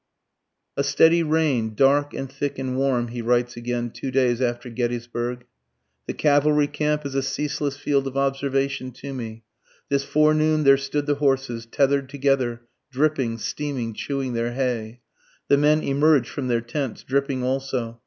"A steady rain, dark and thick and warm," he writes again, two days after Gettysburg. "The cavalry camp is a ceaseless field of observation to me. This forenoon there stood the horses, tether'd together, dripping, steaming, chewing their hay. The men emerge from their tents, dripping also.